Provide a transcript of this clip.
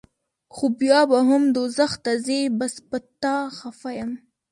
خو بیا به هم دوزخ ته ځې بس پۀ تا خفه يم